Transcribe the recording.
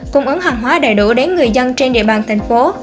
cung ứng hàng hóa đầy đủ đến người dân trên địa bàn thành phố